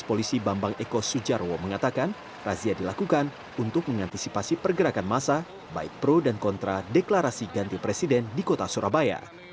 kepada para penumpang polisi juga mengimbau untuk tidak berangkat ke surabaya untuk mengikuti deklarasi ganti presiden yang digelar di tugu palawan kota surabaya